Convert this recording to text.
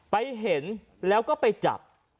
ไปเห็นแล้วก็ไปจับ